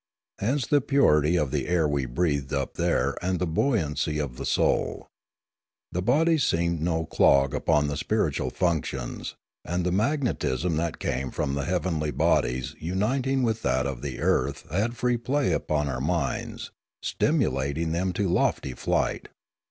Hence the purity of the air we breathed up there and the buoyancy of the soul. The body seemed no clog upon the spiritual functions, and the magnetism that came from the heavenly bodies uniting with that of the earth had free play upon our minds, stimulating them to lofty flight.